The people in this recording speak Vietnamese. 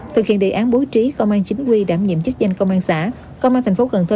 thực hiện đề án bố trí công an chính quy đảm nhiệm chức danh công an xã công an thành phố cần thơ